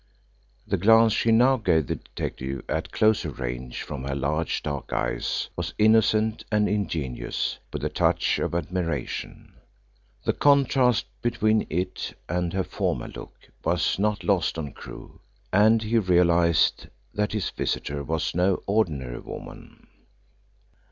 The glance she now gave the detective at closer range from her large dark eyes was innocent and ingenuous, with a touch of admiration. The contrast between it and her former look was not lost on Crewe, and he realised that his visitor was no ordinary woman.